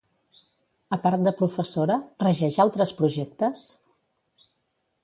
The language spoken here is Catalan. A part de professora, regeix altres projectes?